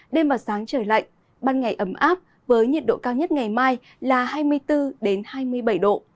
đêm và sáng trời lạnh ban ngày ấm áp với nhiệt độ cao nhất ngày mai là hai mươi bốn hai mươi bảy độ